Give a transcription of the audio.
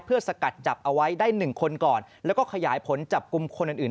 เพื่อสกัดจับเอาไว้ได้หนึ่งคนก่อนแล้วก็ขยายผลจับกลุ่มคนอื่น